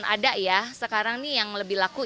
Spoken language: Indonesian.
ada ya sekarang nih yang lebih laku